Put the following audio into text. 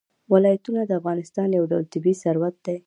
ولایتونه د افغانستان یو ډول طبعي ثروت دی.